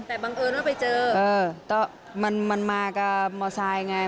แต่บังเอิญว่าไปเจอก็มันมากับมอไซค์ไง